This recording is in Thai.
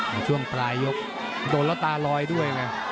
มาช่วงปลายยกโดนแล้วตารอยด้วยอ่ะครับ